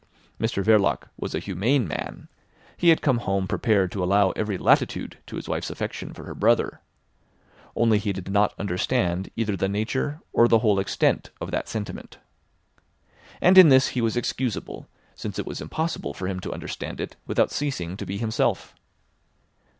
Mr Verloc was a humane man; he had come home prepared to allow every latitude to his wife's affection for her brother. Only he did not understand either the nature or the whole extent of that sentiment. And in this he was excusable, since it was impossible for him to understand it without ceasing to be himself.